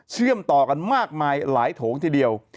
เชื่อมต่อกันมากมายหลายโถงทีเดียว